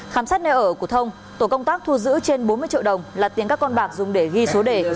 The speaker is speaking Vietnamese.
khám xét nơi ở của thông tổ công tác thu giữ trên bốn mươi triệu đồng là tiền các con bạc dùng để ghi số đề